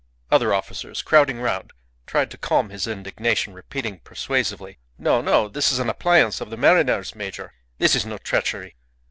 Other officers, crowding round, tried to calm his indignation, repeating persuasively, "No, no! This is an appliance of the mariners, major. This is no treachery."